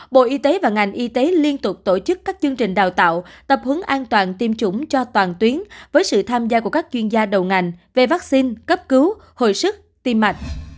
bộ y tế và ngành y tế liên tục tổ chức các chương trình đào tạo tập hướng an toàn tiêm chủng cho toàn tuyến với sự tham gia của các chuyên gia đầu ngành về vaccine cấp cứu hồi sức tim mạch